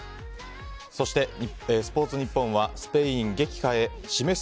そして、スポーツニッポンは「スペイン撃破へ示す！